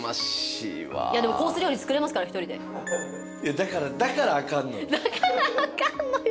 だからだからあかんのよ。